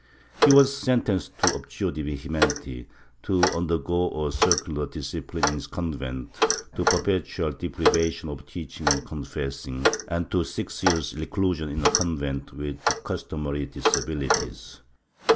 He was sentenced to abjure de vehementi, to undergo a circular discipline in his convent, to perpetual deprivation of teaching and confessing, and to six years' reclusion in a convent, with the customary disabilities.